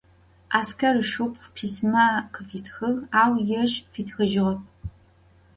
Asker ışşıpxhu pisma khıfitxığ, au yêj fitxıjığep.